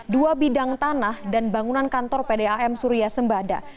dua bidang tanah dan bangunan kantor pdam surya sembada